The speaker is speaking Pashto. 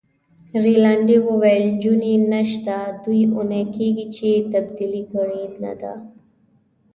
رینالډي وویل: نجونې نشته، دوې اونۍ کیږي چي تبدیلي کړي يې نه دي.